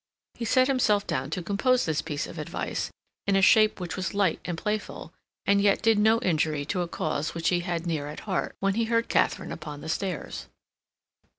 He set himself down to compose this piece of advice in a shape which was light and playful, and yet did no injury to a cause which he had near at heart, when he heard Katharine upon the stairs.